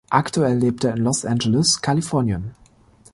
Aktuell lebt er in Los Angeles, Kalifornien.